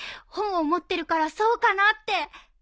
本を持ってるからそうかなって。